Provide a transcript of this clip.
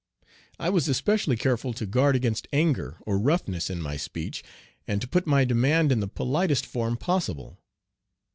I was especially careful to guard against anger or roughness in my speech, and to put my demand in the politest form possible.